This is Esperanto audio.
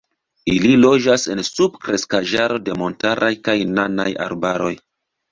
Ili loĝas en subkreskaĵaro de montaraj kaj nanaj arbaroj.